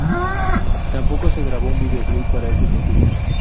Tampoco se grabó un videoclip para este sencillo.